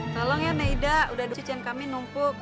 tolong ya neda udah cuciin kami numpuk